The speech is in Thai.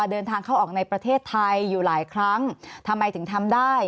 เดินทางเข้าออกในประเทศไทยอยู่หลายครั้งทำไมถึงทำได้